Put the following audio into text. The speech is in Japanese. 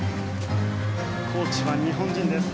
コーチは日本人です。